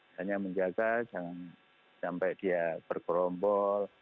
hanya menjaga jangan sampai dia bergerombol